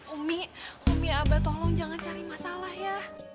umi umi abah tolong jangan cari masalah ya